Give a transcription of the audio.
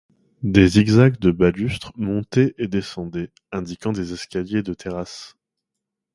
Des zigzags de balustres montaient et descendaient, indiquant des escaliers de terrasses.